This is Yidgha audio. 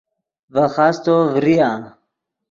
ڤے خاستو ڤریا